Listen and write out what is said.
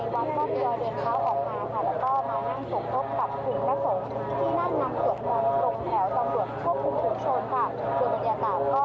แล้วก็มานั่งสวบมนต์กับผู้นักศูนย์ที่นั่งนำสวบมนต์ตรงแถวตำรวจทบคุณผู้ชนค่ะ